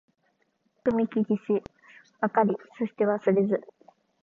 よくみききしわかりそしてわすれず